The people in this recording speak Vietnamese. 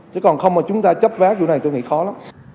chứ còn không mà chúng ta chấp vác vụ này tôi nghĩ khó lắm